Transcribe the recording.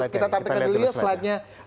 kita tampilkan dulu slide nya